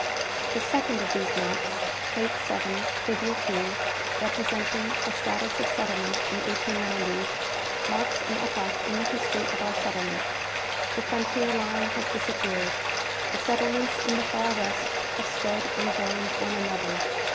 The second of these maps (plate 7, figure 2), representing the status of settlement in 1890, marks an epoch in the history of our settlement. The frontier line has disappeared. The settle ments in the far west have spread and joined one another.